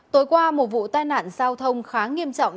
tối qua một vụ tai nạn giao thông khá nghiêm trọng